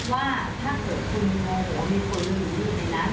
ว่าถ้าเกิดคุณเงินหัวมีคนลืมอยู่ในนั้น